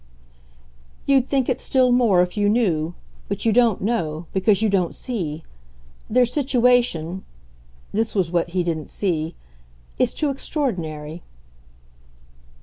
"You'd think it still more if you knew. But you don't know because you don't see. Their situation" this was what he didn't see "is too extraordinary."